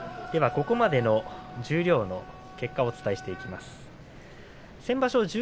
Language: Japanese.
ここまでの十両の結果をお伝えしていきます。